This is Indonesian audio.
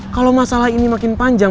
kalau masalah ini makin panjang